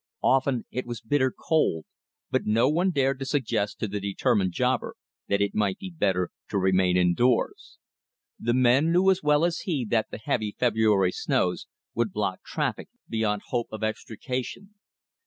Often it was bitter cold, but no one dared to suggest to the determined jobber that it might be better to remain indoors. The men knew as well as he that the heavy February snows would block traffic beyond hope of extrication.